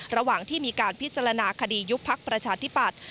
ระหว่างที่มีการพิจารณาคดียุบพักประชาธิปัตย